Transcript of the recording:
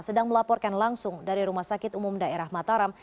sedang melaporkan langsung dari rumah sakit umum daerah mataram